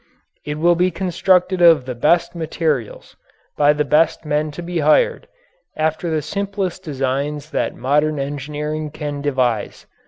It will be constructed of the best materials, by the best men to be hired, after the simplest designs that modern engineering can devise.